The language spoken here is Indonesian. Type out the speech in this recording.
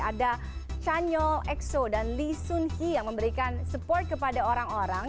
ada chanyeol exo dan lee soon hee yang memberikan support kepada orang orang